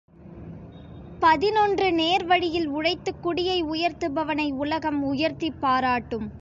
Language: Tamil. பதினொன்று நேர்வழியில் உழைத்துக்குடியை உயர்த்துபவனை உலகம் உயர்த்திப் பாராட்டும்.